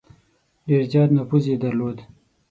ډېر زیات نفوذ یې درلود.